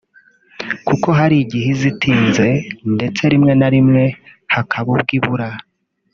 kuko hari igihe iza itinze ndetse rimwe na rimwe hakaba ubwo ibura